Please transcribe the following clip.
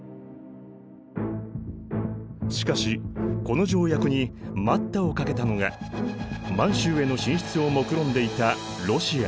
しかしこの条約に「待った！」をかけたのが満洲への進出をもくろんでいたロシア。